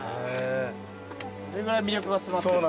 それぐらい魅力が詰まってる。